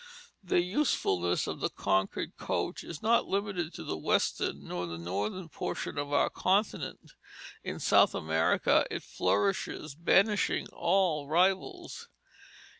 The usefulness of the Concord coach is not limited to the western nor the northern portion of our continent; in South America it flourishes, banishing all rivals.